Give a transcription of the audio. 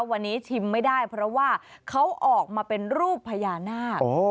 วันนี้ชิมไม่ได้เพราะว่าเขาออกมาเป็นรูปพญานาค